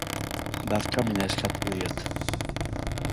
Barkamena eskatu diot